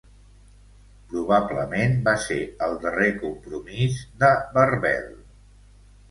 Probablement va ser el darrer compromís de "Barbel".